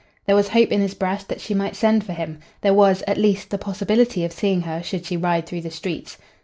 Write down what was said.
There was hope in his breast that she might send for him; there was, at least, the possibility of seeing her should she ride through the streets.